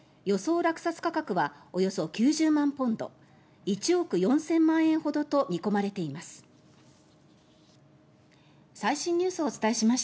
落札価格はおよそ９０万ポンド１億４０００万円ほどと見込まれています。